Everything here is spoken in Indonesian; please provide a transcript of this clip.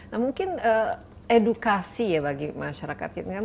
nah mungkin edukasi ya bagi masyarakat